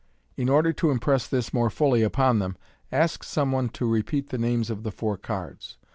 In order to impress this more fully upon them, ask some one to repeat the names of the four cards.